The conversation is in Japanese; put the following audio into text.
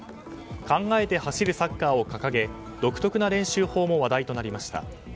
考えて走るサッカーを掲げ独特な練習法も話題となりました。